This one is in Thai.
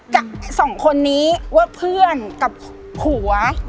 กับสองคนนี้ว่าเพื่อนกับผัว